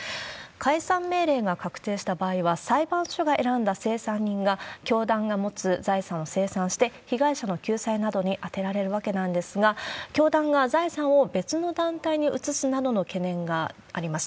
解散命令が確定した場合は、裁判所が選んだ清算人が、教団が持つ財産を清算して、被害者の救済などに当てられるわけなんですが、教団が財産を別の団体に移すなどの懸念があります。